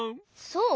そう？